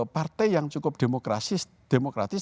partai yang cukup demokratis demokratis